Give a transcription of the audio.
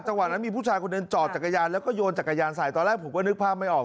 จังหวัดนั้นมีผู้ชายคนหนึ่งจอดจักรยานแล้วก็โยนจักรยานใส่ตอนแรกผมก็นึกภาพไม่ออก